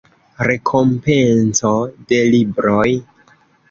Rekompenco de Libroj.